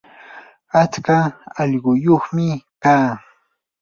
atska allquyuqmi kaa.